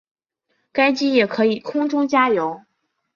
该机也可以空中加油。